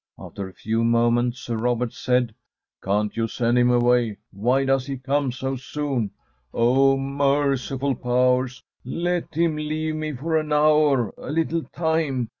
After a few moments Sir Robert said, "Can't you send him away? Why does he come so soon? O Merciful Powers! let him leave me for an hour; a little time.